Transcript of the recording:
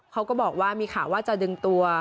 เขาก็บอกว่ามีข่าวว่าจะดึงตัว